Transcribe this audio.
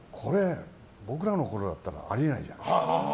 僕らのころだったらあり得ないじゃないですか。